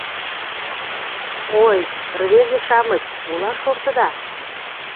Ой, рвезе-шамыч, молан шортыда?